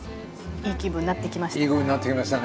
いい気分になってきましたね。